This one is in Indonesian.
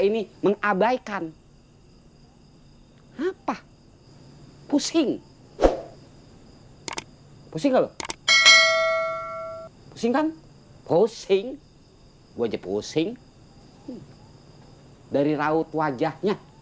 ini mengabaikan hai apa pusing pusing kalau singkong posting wajah pusing dari raut wajahnya